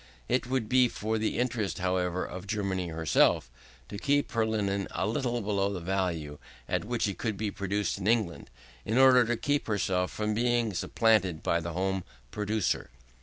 It would be for the interest, however, of Germany herself, to keep her linen a little below the value at which it could be produced in England, in order to keep herself from being supplanted by the home producer.